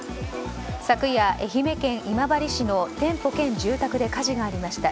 昨夜、愛媛県今治市の店舗兼住宅で火事がありました。